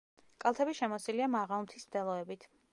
კალთები შემოსილია მაღალმთის მდელოებით.